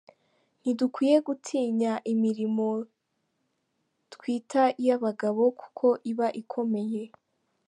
Ntidukwiye gutinya imirimo twita iy’abagabo kuko iba ikomeye